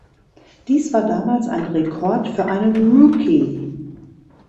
Dies war damals ein Rekord für einen Rookie.